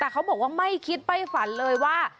แต่เขาบอกว่าไม่คิดไม่ฝันเลยว่า